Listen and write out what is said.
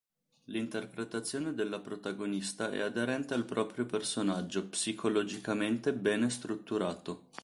L'interpretazione della protagonista è aderente al proprio personaggio, psicologicamente bene strutturato.